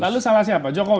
lalu salah siapa jokowi